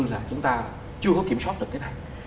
là chúng ta chưa có kiểm soát được cái này